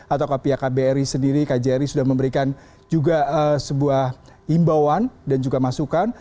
atau pihak kbri sendiri kjri sudah memberikan juga sebuah imbauan dan juga masukan